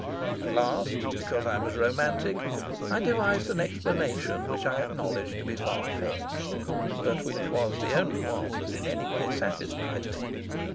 At last, because I was romantic, I devised an explanation which I acknowledged to be far fetched, but which was the only one that in any way satisfied me.